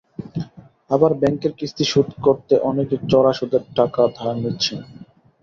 আবার ব্যাংকের কিস্তি শোধ করতে অনেকে চড়া সুদে টাকা ধার নিচ্ছেন।